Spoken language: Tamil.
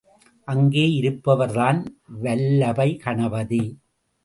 அங்கு இருப்பவர்தான் வல்லபை கணபதி.